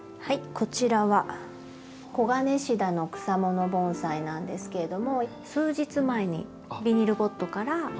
こちらはコガネシダの草もの盆栽なんですけれども数日前にビニールポットから植え替えしてこちらの。